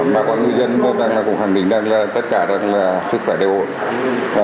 mà có người dân cũng khẳng định tất cả sức khỏe đều ổn